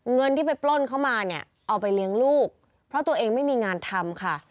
เงินที่ไปปล้นเขามาเนี่ยเอาไปเลี้ยงลูกเพราะตัวเองไม่มีงานทำค่ะ